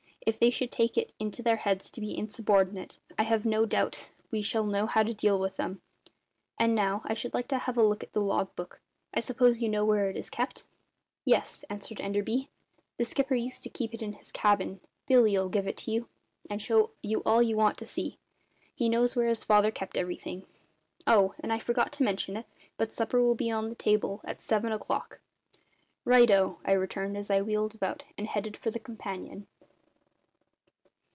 If they should take it into their heads to be insubordinate I have no doubt we shall know how to deal with them. And now, I should like to have a look at the log book. I suppose you know where it is kept?" "Yes," answered Enderby, "the skipper used to keep it in his cabin. Billy'll give it you, and show you all you want to see. He knows where his father kept everything. Oh! and I forgot to mention it, but supper'll be on the table at seven o'clock." "Righto!" I returned as I wheeled about and headed for the companion.